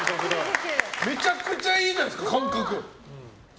めちゃくちゃいいじゃないですか感覚。